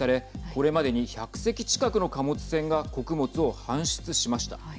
これまでに１００隻近くの貨物船が穀物を搬出しました。